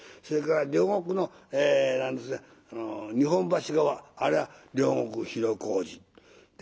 それから両国の日本橋側あれは両国広小路。